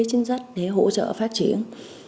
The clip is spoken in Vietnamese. chính sách để hỗ trợ phát triển